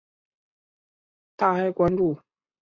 它还关注耶稣是否是一个拿细耳人问题。